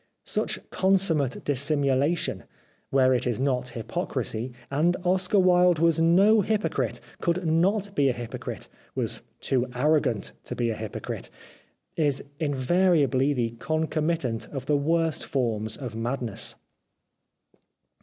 Such consummate dis simulation, where it is not hypocrisy — and Oscar Wilde was no hypocrite, could not be a hypo crite, was too arrogant to be a hypocrite — is in variably the concomitant of the worst forms of madness.